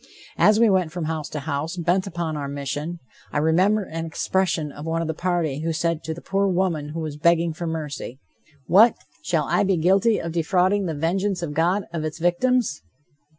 As we went from house to house, bent upon our mission, I remember an expression of one of the party who said to the poor woman who was begging for mercy: "What! shall I be guilty of defrauding the vengeance of God of its victims?"